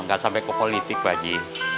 gak sampe ke politik pak haji